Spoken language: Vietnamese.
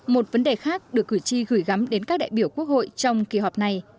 một vấn đề khác được cử tri gửi gắm đến các đại biểu quốc hội trong kỳ họp này